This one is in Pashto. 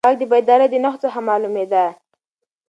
دا غږ د بیدارۍ د نښو څخه معلومېده.